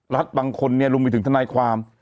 รัฐบางคนเนี่ยรวมไปถึงทนายความ